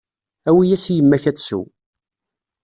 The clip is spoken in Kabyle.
Awi-yas i yemma-k ad tsew.